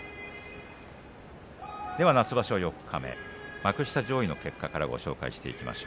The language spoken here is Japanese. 夏場所四日目、幕下上位の結果からご紹介していきます。